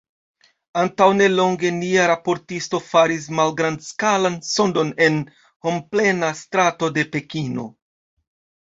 Antaŭ nelonge, nia raportisto faris malgrandskalan sondon en homplena strato de Pekino.